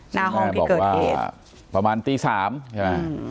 หน้าห้องที่เกิดเหตุแม่บอกว่าว่าประมาณตีสามใช่ไหมอืม